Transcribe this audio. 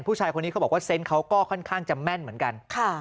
ผู้ชายคนนี้เขาบอกว่าเซนต์เขาก็ค่อนข้างจะแม่นเหมือนกัน